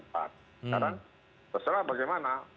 sekarang terserah bagaimana